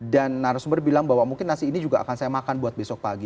dan narasumber bilang bahwa mungkin nasi ini juga akan saya makan buat besok pagi